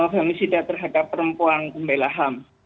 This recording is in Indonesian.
femisida terhadap perempuan pembelahan